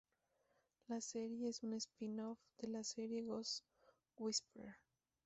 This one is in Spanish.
La serie es un "spin-off" de la serie Ghost Whisperer.